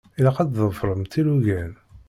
Ilaq ad tḍefṛemt ilugan.